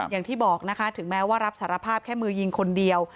อย่างที่บอกนะคะถึงแม้ว่ารับสารภาพแค่มือยิงคนเดียว